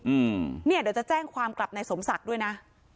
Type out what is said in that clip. อืมเนี่ยเดี๋ยวจะแจ้งความกลับในสมศักดิ์ด้วยนะ